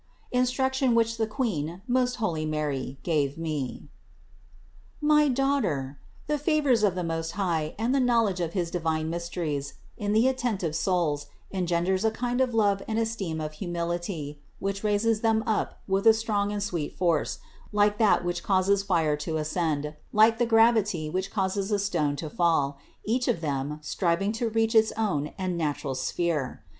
INSTRUCTION WHICH THE QUEEN MOST HOLY MARY GAVE ME. 240. My daughter, the favors of the Most High and the knowledge of his divine mysteries, in the attentive souls, engender a kind of love and esteem of humility, which raises them up with a strong and sweet force, like that which causes fire to ascend, like the gravity which causes a stone to fall, each of them striving to reach its own and natural sphere.